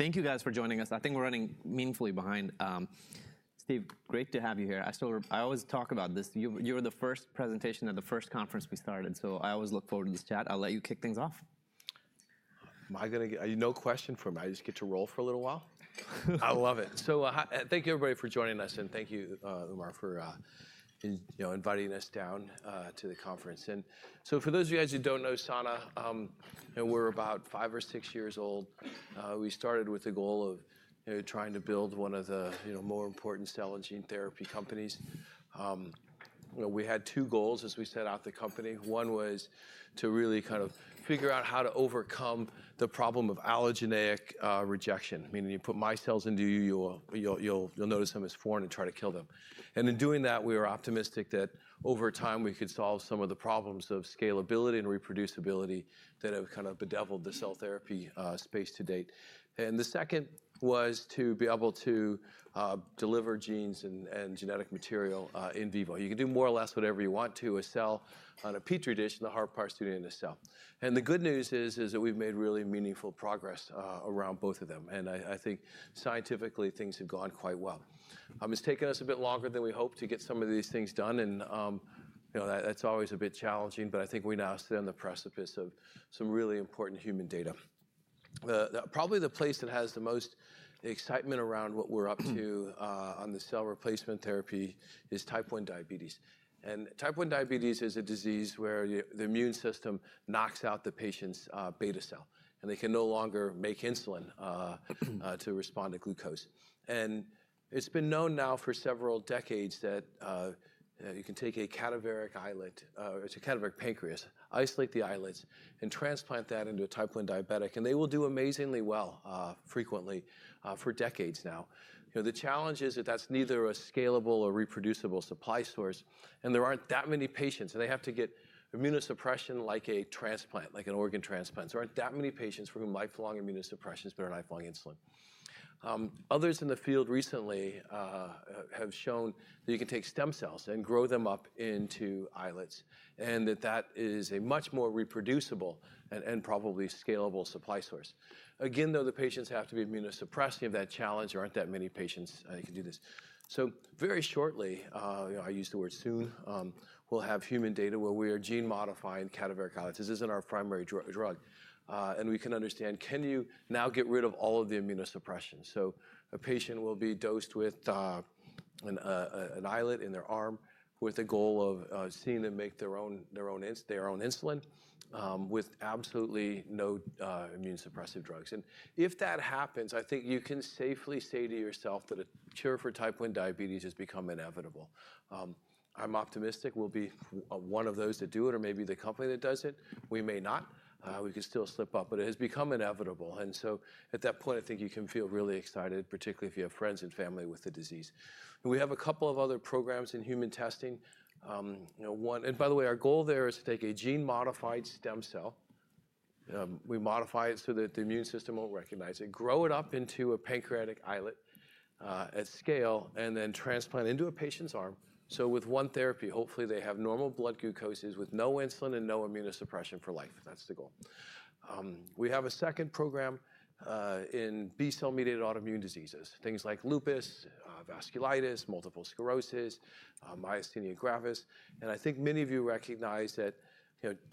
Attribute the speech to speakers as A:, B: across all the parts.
A: Thank you, guys, for joining us. I think we're running meaningfully behind. Steve, great to have you here. I always talk about this. You were the first presentation at the first conference we started, so I always look forward to this chat. I'll let you kick things off.
B: Am I going to get any questions from you? I just get to roll for a little while. I love it, so thank you, everybody, for joining us, and thank you, Umar, for inviting us down to the conference, and so for those of you guys who don't know Sana, we're about five or six years old. We started with the goal of trying to build one of the more important cell and gene therapy companies. We had two goals as we set out the company. One was to really kind of figure out how to overcome the problem of allogeneic rejection, meaning you put cells into you, you'll notice them as foreign and try to kill them, and in doing that, we were optimistic that over time we could solve some of the problems of scalability and reproducibility that have kind of bedeviled the cell therapy space to date. And the second was to be able to deliver genes and genetic material in vivo. You can do more or less whatever you want to a cell on a Petri dish, and the hard part is to do it in a cell. And the good news is that we've made really meaningful progress around both of them. And I think scientifically things have gone quite well. It's taken us a bit longer than we hoped to get some of these things done, and that's always a bit challenging, but I think we now sit on the precipice of some really important human data. Probably the place that has the most excitement around what we're up to on the cell replacement therapy is type 1 diabetes. And type 1 diabetes is a disease where the immune system knocks out the patient's beta cell, and they can no longer make insulin to respond to glucose. It's been known now for several decades that you can take a cadaveric islet, or it's a cadaveric pancreas, isolate the islets, and transplant that into a type 1 diabetic, and they will do amazingly well frequently for decades now. The challenge is that that's neither a scalable or reproducible supply source, and there aren't that many patients. They have to get immunosuppression like a transplant, like an organ transplant. There aren't that many patients for whom lifelong immunosuppressions but are lifelong insulin. Others in the field recently have shown that you can take stem cells and grow them up into islets, and that that is a much more reproducible and probably scalable supply source. Again, though, the patients have to be immunosuppressed. They have that challenge. There aren't that many patients that can do this. So very shortly, I use the word soon, we'll have human data where we are gene modifying cadaveric islets. This isn't our primary drug. And we can understand, can you now get rid of all of the immunosuppression? So a patient will be dosed with an islet in their arm with the goal of seeing them make their own insulin with absolutely no immunosuppressive drugs. And if that happens, I think you can safely say to yourself that a cure for type 1 diabetes has become inevitable. I'm optimistic we'll be one of those that do it or maybe the company that does it. We may not. We could still slip up, but it has become inevitable. And so at that point, I think you can feel really excited, particularly if you have friends and family with the disease. We have a couple of other programs in human testing. And by the way, our goal there is to take a gene modified stem cell. We modify it so that the immune system won't recognize it, grow it up into a pancreatic islet at scale, and then transplant into a patient's arm. So with one therapy, hopefully they have normal blood glucoses with no insulin and no immunosuppression for life. That's the goal. We have a second program in B-cell mediated autoimmune diseases, things like lupus, vasculitis, multiple sclerosis, myasthenia gravis. And I think many of you recognize that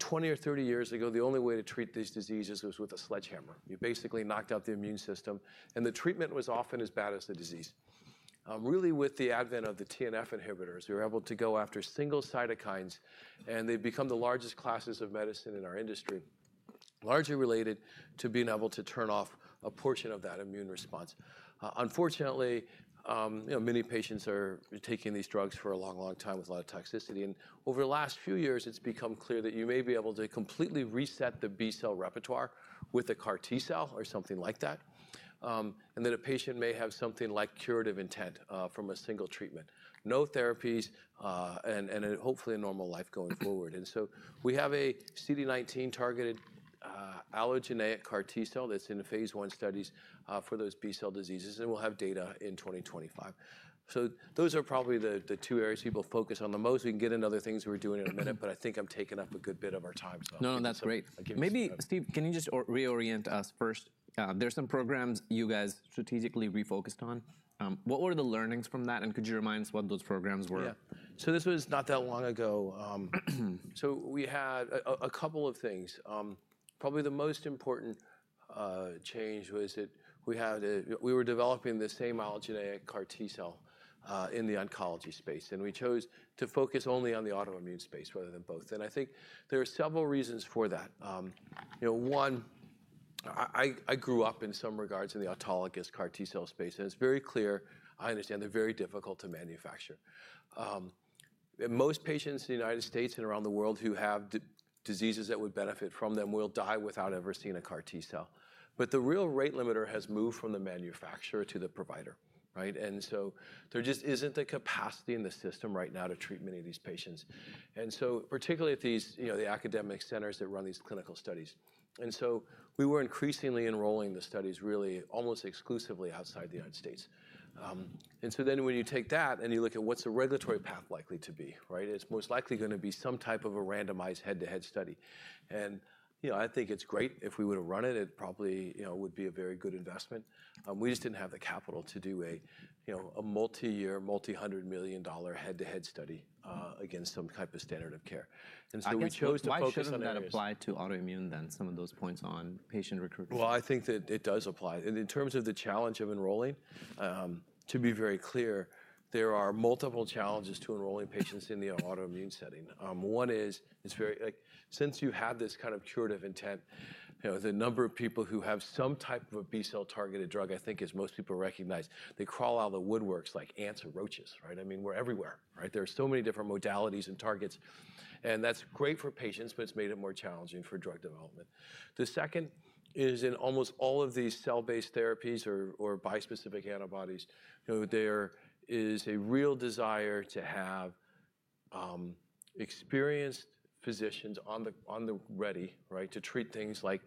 B: 20 or 30 years ago, the only way to treat these diseases was with a sledgehammer. You basically knocked out the immune system, and the treatment was often as bad as the disease. Really, with the advent of the TNF inhibitors, we were able to go after single cytokines, and they've become the largest classes of medicine in our industry, largely related to being able to turn off a portion of that immune response. Unfortunately, many patients are taking these drugs for a long, long time with a lot of toxicity. And over the last few years, it's become clear that you may be able to completely reset the B-cell repertoire with a CAR T-cell or something like that, and that a patient may have something like curative intent from a single treatment, no therapies, and hopefully a normal life going forward. And so we have a CD19-targeted allogeneic CAR T-cell that's in phase I studies for those B-cell diseases, and we'll have data in 2025. So those are probably the two areas people focus on the most. We can get into other things we're doing in a minute, but I think I'm taking up a good bit of our time.
A: No, no, that's great. Maybe, Steve, can you just reorient us first? There's some programs you guys strategically refocused on. What were the learnings from that, and could you remind us what those programs were?
B: Yeah. So this was not that long ago. So we had a couple of things. Probably the most important change was that we were developing the same allogeneic CAR T-cell in the oncology space, and we chose to focus only on the autoimmune space rather than both. And I think there are several reasons for that. One, I grew up in some regards in the autologous CAR T-cell space, and it's very clear I understand they're very difficult to manufacture. Most patients in the United States and around the world who have diseases that would benefit from them will die without ever seeing a CAR T-cell. But the real rate limiter has moved from the manufacturer to the provider, right? And so there just isn't the capacity in the system right now to treat many of these patients. And so particularly at the academic centers that run these clinical studies. And so we were increasingly enrolling the studies really almost exclusively outside the United States. And so then when you take that and you look at what's the regulatory path likely to be, right? It's most likely going to be some type of a randomized head-to-head study. And I think it's great if we would have run it. It probably would be a very good investment. We just didn't have the capital to do a multi-year, multi-hundred-million-dollar head-to-head study against some type of standard of care. And so we chose to focus on that.
A: How much might that apply to autoimmune then, some of those points on patient recruitment?
B: I think that it does apply. In terms of the challenge of enrolling, to be very clear, there are multiple challenges to enrolling patients in the autoimmune setting. One is, since you have this kind of curative intent, the number of people who have some type of a B-cell targeted drug, I think, as most people recognize, they crawl out of the woodworks like ants or roaches, right? I mean, we're everywhere, right? There are so many different modalities and targets. That's great for patients, but it's made it more challenging for drug development. The second is in almost all of these cell-based therapies or bispecific antibodies, there is a real desire to have experienced physicians on the ready, right, to treat things like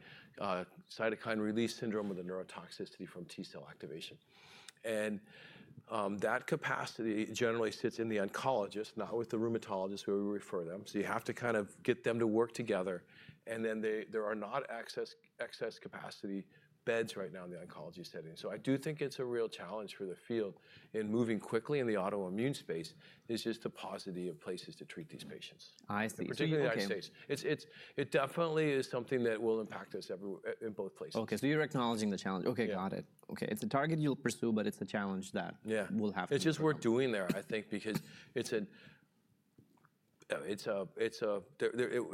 B: cytokine release syndrome with the neurotoxicity from T-cell activation. And that capacity generally sits in the oncologist, not with the rheumatologist where we refer them. So you have to kind of get them to work together, and then there are not excess capacity beds right now in the oncology setting. So I do think it's a real challenge for the field in moving quickly in the autoimmune space is just the paucity of places to treat these patients.
A: I see.
B: Particularly in the United States. It definitely is something that will impact us in both places.
A: Okay. So you're acknowledging the challenge. Okay, got it. Okay. It's a target you'll pursue, but it's a challenge that will have to be addressed.
B: Yeah. It's just worth doing there, I think, because it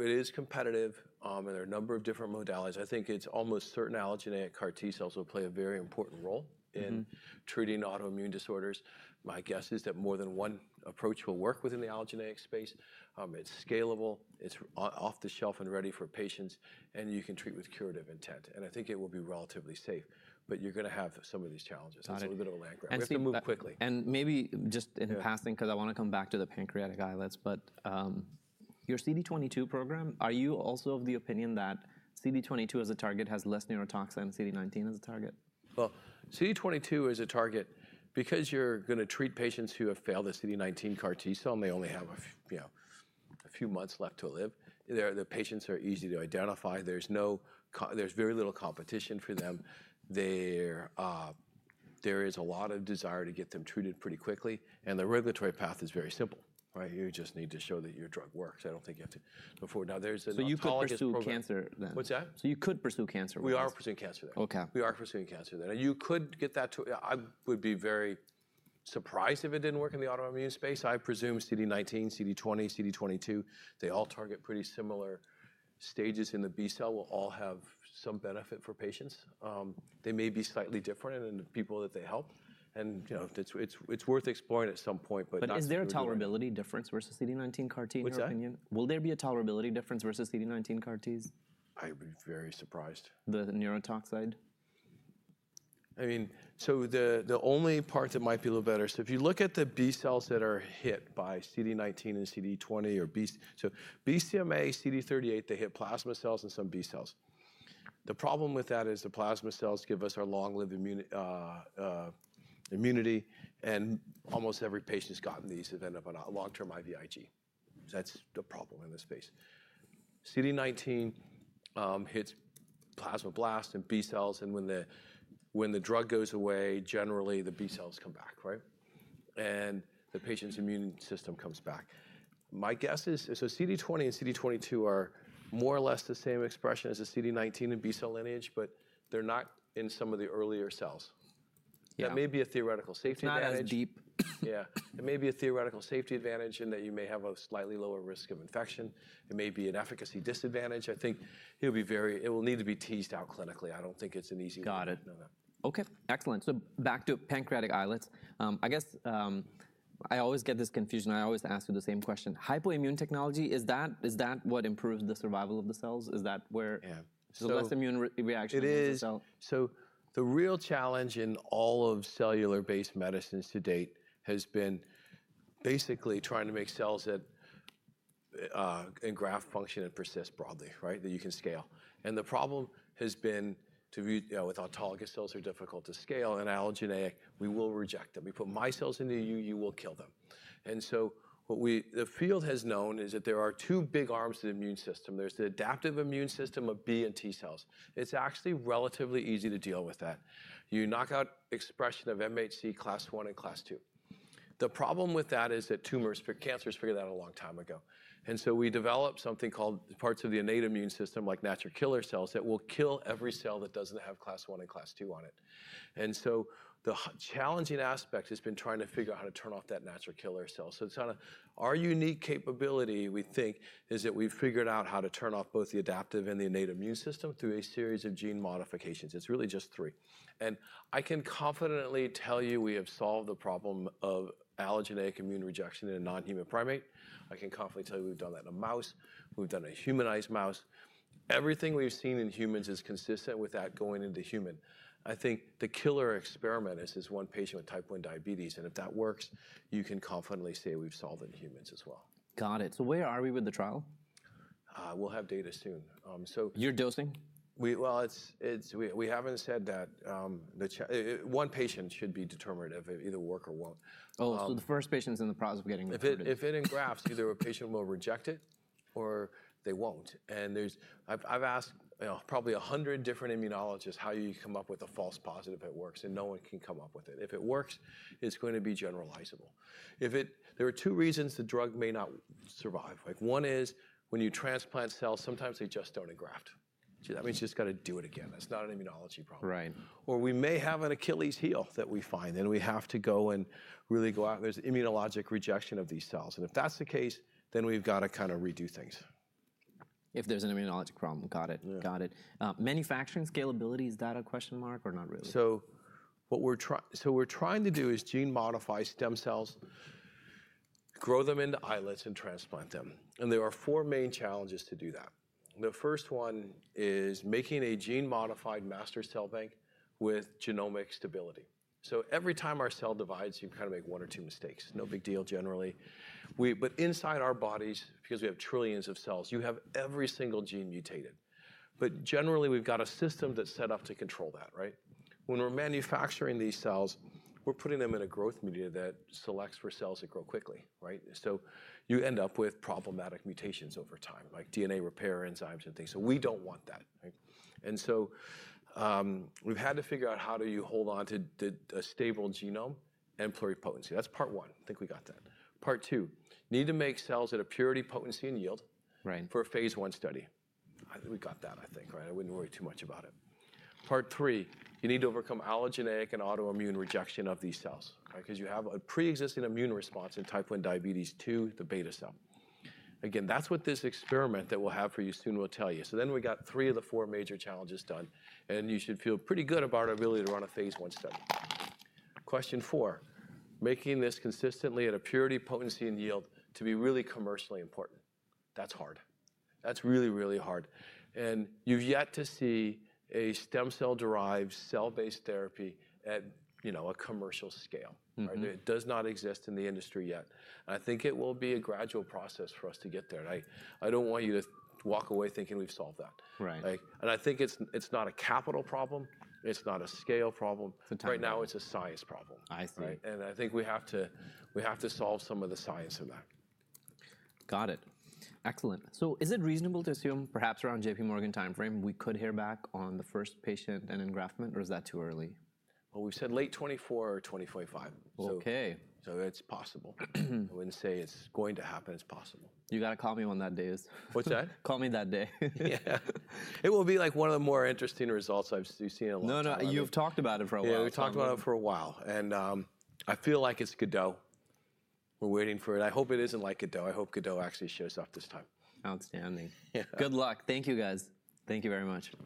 B: is competitive, and there are a number of different modalities. I think it's almost certain allogeneic CAR T-cells will play a very important role in treating autoimmune disorders. My guess is that more than one approach will work within the allogeneic space. It's scalable. It's off the shelf and ready for patients, and you can treat with curative intent. And I think it will be relatively safe, but you're going to have some of these challenges.
A: Got it.
B: It's a little bit of a land grab.
A: I have to move quickly, and maybe just in passing, because I want to come back to the pancreatic islets, but your CD22 program, are you also of the opinion that CD22 as a target has less neurotoxicity than CD19 as a target?
B: CD22 is a target because you're going to treat patients who have failed a CD19 CAR T-cell and they only have a few months left to live. The patients are easy to identify. There's very little competition for them. There is a lot of desire to get them treated pretty quickly, and the regulatory path is very simple, right? You just need to show that your drug works. I don't think you have to go forward. Now, there's another challenge.
A: You could pursue cancer then.
B: What's that?
A: So you could pursue cancer with this.
B: We are pursuing cancer there.
A: Okay.
B: We are pursuing cancer there. And you could get that too. I would be very surprised if it didn't work in the autoimmune space. I presume CD19, CD20, CD22, they all target pretty similar stages in the B-cell, will all have some benefit for patients. They may be slightly different in the people that they help. And it's worth exploring at some point, but that's the.
A: But is there a tolerability difference versus CD19 CAR T, in your opinion?
B: What's that?
A: Will there be a tolerability difference versus CD19 CAR Ts?
B: I would be very surprised.
A: The neurotoxide?
B: I mean, so the only part that might be a little better, so if you look at the B-cells that are hit by CD19 and CD20 or, say, BCMA, CD38, they hit plasma cells and some B-cells. The problem with that is the plasma cells give us our long-lived immunity, and almost every patient has gotten these events, a long-term IVIG. That's the problem in this space. CD19 hits plasmablasts and B-cells, and when the drug goes away, generally the B-cells come back, right, and the patient's immune system comes back. My guess is, so CD20 and CD22 are more or less the same expression as the CD19 and B-cell lineage, but they're not in some of the earlier cells. That may be a theoretical safety advantage.
A: It's not as deep.
B: Yeah. It may be a theoretical safety advantage in that you may have a slightly lower risk of infection. It may be an efficacy disadvantage. I think it will need to be teased out clinically. I don't think it's an easy one.
A: Got it. Okay. Excellent. So back to pancreatic islets. I guess I always get this confusion. I always ask you the same question. Hypoimmune technology, is that what improves the survival of the cells? Is that where?
B: Yeah.
A: So less immune reaction in the cell?
B: It is. So the real challenge in all of cell-based medicines to date has been basically trying to make cells that can engraft, function and persist broadly, right, that you can scale. And the problem has been with autologous cells; they are difficult to scale, and allogeneic, we will reject them. We put my cells into you; you will kill them. And so what the field has known is that there are two big arms of the immune system. There's the adaptive immune system of B- and T-cells. It's actually relatively easy to deal with that. You knock out expression of MHC class I and class II. The problem with that is that tumors, cancers figured that out a long time ago. And so we developed something called parts of the innate immune system like natural killer cells that will kill every cell that doesn't have class I and class II on it. And so the challenging aspect has been trying to figure out how to turn off that natural killer cell. So it's kind of our unique capability, we think, is that we've figured out how to turn off both the adaptive and the innate immune system through a series of gene modifications. It's really just three. And I can confidently tell you we have solved the problem of allogeneic immune rejection in a non-human primate. I can confidently tell you we've done that in a mouse. We've done it in a humanized mouse. Everything we've seen in humans is consistent with that going into human. I think the killer experiment is this one patient with type 1 diabetes, and if that works, you can confidently say we've solved it in humans as well.
A: Got it, so where are we with the trial?
B: We'll have data soon. So.
A: You're dosing?
B: We haven't said that. One patient should be determinative of whether it works or won't.
A: Oh, so the first patient's in the process of getting recruited.
B: If it engrafts, either a patient will reject it or they won't. And I've asked probably 100 different immunologists how you come up with a false positive if it works, and no one can come up with it. If it works, it's going to be generalizable. There are two reasons the drug may not survive. One is when you transplant cells, sometimes they just don't engraft. That means you just got to do it again. That's not an immunology problem.
A: Right.
B: or we may have an Achilles heel that we find, and we have to go and really go out. There's immunologic rejection of these cells, and if that's the case, then we've got to kind of redo things.
A: If there's an immunologic problem. Got it. Got it. Manufacturing scalability, is that a question mark or not really?
B: So what we're trying to do is gene modify stem cells, grow them into islets, and transplant them. And there are four main challenges to do that. The first one is making a gene modified master cell bank with genomic stability. So every time our cell divides, you kind of make one or two mistakes. No big deal generally. But inside our bodies, because we have trillions of cells, you have every single gene mutated. But generally, we've got a system that's set up to control that, right? When we're manufacturing these cells, we're putting them in a growth media that selects for cells that grow quickly, right? So you end up with problematic mutations over time, like DNA repair enzymes and things. So we don't want that, right? And so we've had to figure out how do you hold on to a stable genome and pluripotency. That's part one. I think we got that. Part two, you need to make cells at a purity, potency, and yield for a phase one study. We got that, I think, right? I wouldn't worry too much about it. Part three, you need to overcome allogeneic and autoimmune rejection of these cells, right? Because you have a pre-existing immune response in type 1 diabetes to the Beta cell. Again, that's what this experiment that we'll have for you soon will tell you. So then we got three of the four major challenges done, and you should feel pretty good about our ability to run a phase I study. Question four, making this consistently at a purity, potency, and yield to be really commercially important. That's hard. That's really, really hard. And you've yet to see a stem cell-derived cell-based therapy at a commercial scale, right? It does not exist in the industry yet. I think it will be a gradual process for us to get there, and I don't want you to walk away thinking we've solved that.
A: Right.
B: I think it's not a capital problem. It's not a scale problem.
A: It's a time warning.
B: Right now, it's a science problem.
A: I see.
B: I think we have to solve some of the science of that.
A: Got it. Excellent. So is it reasonable to assume perhaps around JPMorgan timeframe, we could hear back on the first patient and engraftment, or is that too early?
B: We've said late 2024 or 2025.
A: Okay.
B: So it's possible. I wouldn't say it's going to happen. It's possible.
A: You got to call me on that day.
B: What's that?
A: Call me that day.
B: Yeah. It will be like one of the more interesting results I've seen in a long time.
A: No, no. You've talked about it for a while.
B: Yeah, we've talked about it for a while, and I feel like it's Godot. We're waiting for it. I hope it isn't like Godot. I hope Godot actually shows up this time.
A: Outstanding.
B: Yeah.
A: Good luck. Thank you, guys. Thank you very much.